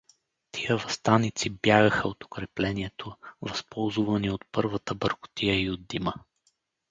Тия въстаници бягаха от укреплението, възползувани от първата бъркотия и от дима.